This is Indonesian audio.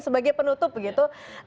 sebagai penutup begitu